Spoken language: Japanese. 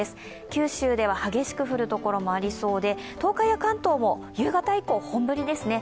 急襲では激しく降るところもありそうで東海や関東も夕方以降本降りですね。